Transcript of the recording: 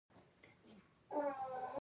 سیخ ګول په هیواد کې تولیدیږي